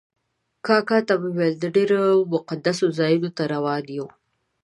کاکا ته مې وویل ډېرو مقدسو ځایونو ته روان یو.